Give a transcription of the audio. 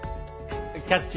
「キャッチ！